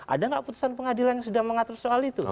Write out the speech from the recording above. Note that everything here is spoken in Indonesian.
ada nggak putusan pengadilan yang sudah mengatur soal itu